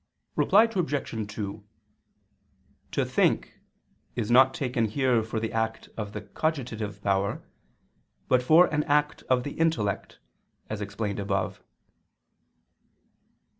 Reply Obj. 2: "To think" is not taken here for the act of the cogitative power, but for an act of the intellect, as explained above.